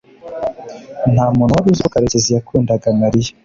ntamuntu wari uzi uko karekezi yakundaga mariya